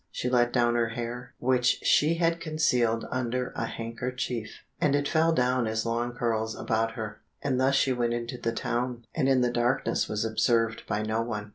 She let down her hair, which she had concealed under a handkerchief, and it fell down in long curls about her, and thus she went into the town, and in the darkness was observed by no one.